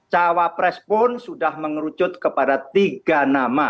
cawapres pun sudah mengerucut kepada tiga nama